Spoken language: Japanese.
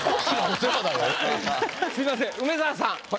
すいません梅沢さん